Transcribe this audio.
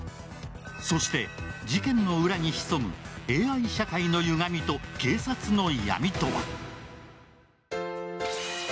そして事件の裏にひそむＡＩ社会のゆがみと、警察の闇とは。